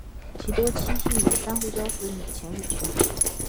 其多栖息于珊瑚礁附近浅水区。